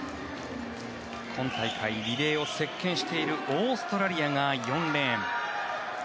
今大会、リレーを席巻しているオーストラリアが４レーン。